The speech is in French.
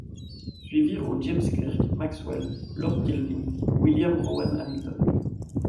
Suivirent au James Clerk Maxwell, Lord Kelvin, William Rowan Hamilton.